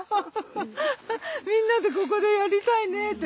みんなでここでやりたいねって。